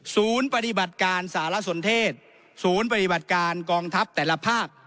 ศูนย์ปฏิบัติการสารสนเทศศูนย์ปฏิบัติการกองทัพแต่ละภาค